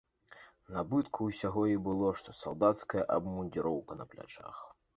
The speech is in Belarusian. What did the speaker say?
Набытку ўсяго і было што салдацкая абмундзіроўка на плячах.